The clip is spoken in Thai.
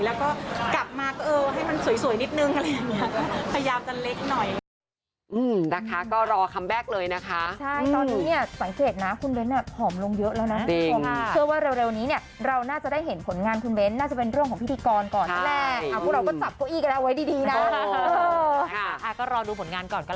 แล้วก็กลับมาให้มันสวยนิดหนึ่งพยายามจะเล็กหน่อย